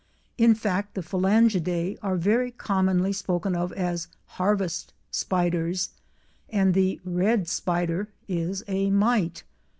In fact the Phalangidea are very commonly spoken of as "harvest spiders" and the "red spider" is a mite.